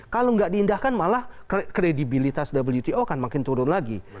kalau nggak diindahkan malah kredibilitas wto akan makin turun lagi